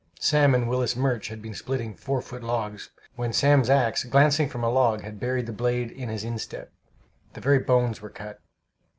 Sam and Willis Murch had been splitting four foot logs, when Sam's axe, glancing from a log, had buried the blade in his instep; the very bones were cut.